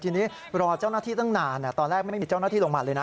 ทีนี้รอเจ้าหน้าที่ตั้งนานตอนแรกไม่มีเจ้าหน้าที่ลงมาเลยนะ